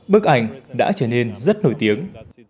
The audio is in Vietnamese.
bức ảnh đã trở nên rất nổi tiếng